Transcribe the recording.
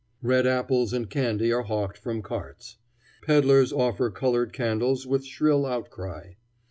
Red apples and candy are hawked from carts. Peddlers offer colored candles with shrill outcry.